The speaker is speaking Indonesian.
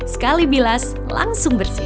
sekali bilas langsung bersih